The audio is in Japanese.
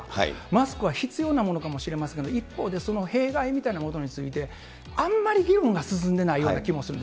マスクは必要なものかもしれませんが、一方で、その弊害みたいなことについて、あんまり議論が進んでないような気もする。